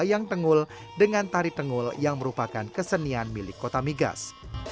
wayang tengul dengan tari tengul yang merupakan kesenian milik kota migas